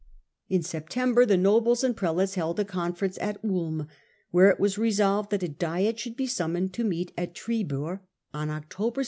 In September the nobles and prelates held a confer ence at Ulm, where it was resolved that a diet should be summoned to meet at Tribur on October 16.